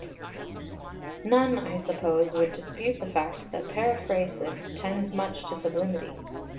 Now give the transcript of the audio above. ] XXVIII None, I suppose, would dispute the fact that periphrasis tends much to sublimity.